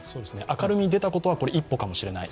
明るみに出たことは一歩かもしれない。